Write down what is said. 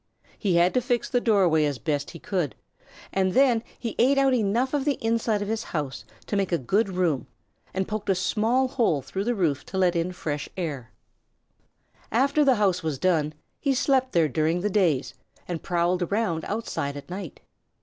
He had to fix the doorway as best he could, and then he ate out enough of the inside of his house to make a good room and poked a small hole through the roof to let in fresh air. [Illustration: THE MARSH SEEMED SO EMPTY AND LONELY. Page 127] After the house was done, he slept there during the days and prowled around outside at night.